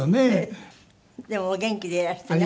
でもお元気でいらしてね